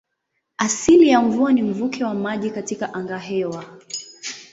Asili ya mvua ni mvuke wa maji katika angahewa.